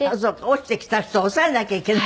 落ちてきた人を押さえなきゃいけない。